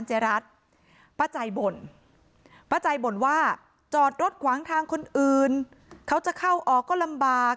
แต่จังหวะที่ผ่านหน้าบ้านของผู้หญิงคู่กรณีเห็นว่ามีรถจอดขวางทางจนรถผ่านเข้าออกลำบาก